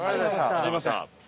すみません。